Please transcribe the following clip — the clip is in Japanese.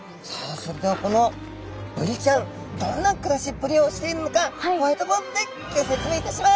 それではこのブリちゃんどんな暮らしっぷりをしているのかホワイトボードでギョ説明いたします！